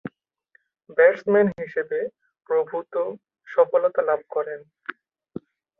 Batsman হিসেবে প্রভূতঃ সফলতা লাভ করেন।